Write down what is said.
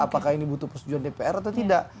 apakah ini butuh persetujuan dpr atau tidak